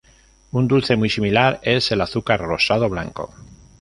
Un dulce muy similar es el azúcar rosado blanco.